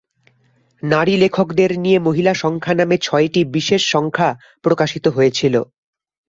নারী লেখকদের নিয়ে "মহিলা সংখ্যা" নামে ছয়টি বিশেষ সংখ্যা প্রকাশিত হয়েছিল।